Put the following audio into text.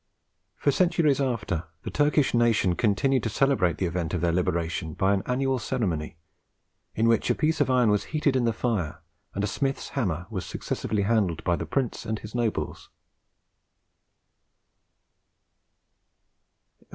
For centuries after, the Turkish nation continued to celebrate the event of their liberation by an annual ceremony, in which a piece of iron was heated in the fire, and a smith's hammer was successively handled by the prince and his nobles.